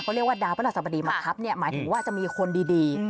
เขาเรียกว่าดาวพระราชสบดีมาทับเนี่ยหมายถึงว่าจะมีคนดี